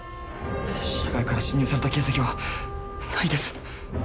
社外から侵入された形跡はないです